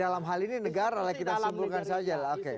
dalam hal ini negara lah kita simpulkan saja lah